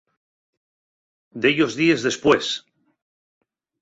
Dellos díes después.